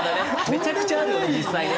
めちゃくちゃあるよね実際ね。